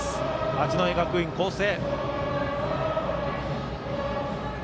八戸学院光星。